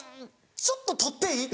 「ちょっと撮っていい？」。